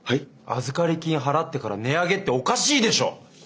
預かり金払ってから値上げっておかしいでしょ！